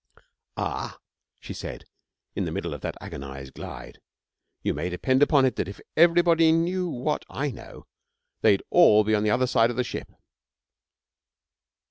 'Ah,' she said, in the middle of that agonised glide, 'you may depend upon it that if everybody knew what, I know, they'd all be on the other side of the ship.'